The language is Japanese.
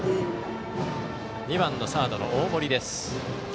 ２番のサードの大森です。